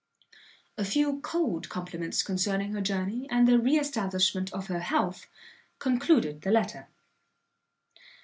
A few cold compliments concerning her journey, and the re establishment of her health, concluded the letter.